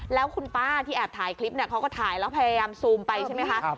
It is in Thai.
แล้วคุณป้าที่แอบถ่ายคลิปเนี่ยเขาก็ถ่ายแล้วพยายามซูมไปใช่ไหมคะ